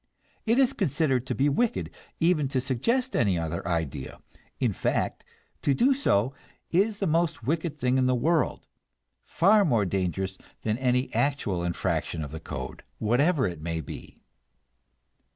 It is considered to be wicked even to suggest any other idea; in fact, to do so is the most wicked thing in the world, far more dangerous than any actual infraction of the code, whatever it may be.